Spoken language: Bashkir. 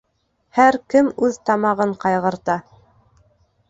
Һәр кем үҙ тамағын ҡайғырта.